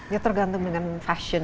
ya tergantung dengan fashion